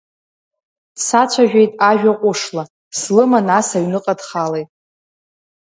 Дсацәажәеит ажәа ҟәышла, слыма нас аҩныҟа дхалеит.